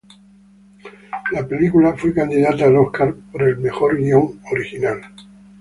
La película fue candidata al Oscar por el mejor guion original.